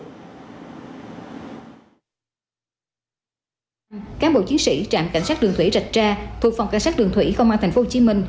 cán bộ chiến sĩ trạm cảnh sát đường thủy rạch tra thuộc phòng ca sát đường thủy công an tp hcm